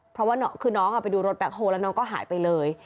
เพราะว่าคือน้องไปดูรถแบ็คโฮลแล้วน้องก็หายไปเลย